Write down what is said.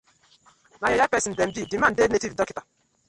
Na yeye pesin dem bi, di man dey native dokta.